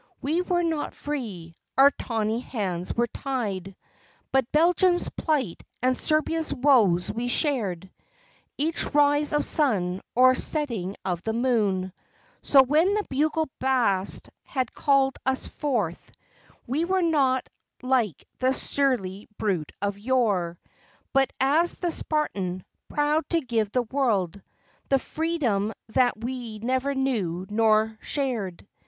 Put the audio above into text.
We were not free, our tawny hands were tied; But Belgium's plight and Serbia's woes we shared Each rise of sun or setting of the moon. So when the bugle blast had called us forth We went not like the surly brute of yore But, as the Spartan, proud to give the world The freedom that we never knew nor shared.